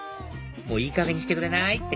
もういいかげんにしてくれない？